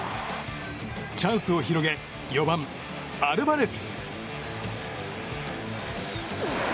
チャンスを広げ４番、アルバレス。